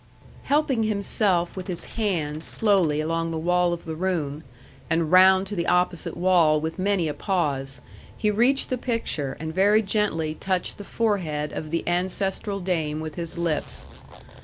Helping himself with his hand slowly along the wall of the room, and round to the opposite wall with many a pause, he reached the picture, and very gently touched the forehead of the ancestral dame with his lips.